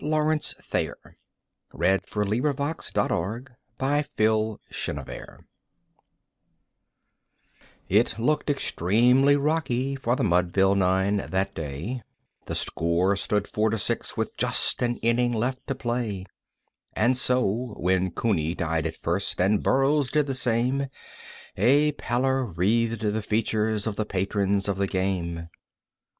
CASEY AT THE BAT BY ERNEST LAWRENCE THAYER It looked extremely rocky for the Mudville nine that day: The score stood four to six with just an inning left to play; And so, when Cooney died at first, and Burrows did the same, A pallor wreathed the features of the patrons of the game.